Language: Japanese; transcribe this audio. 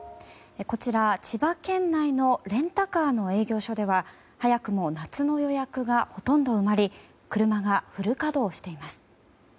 こちら、千葉県内のレンタカーの営業所では早くも夏の予約がほとんど埋まり車がフル稼働しています。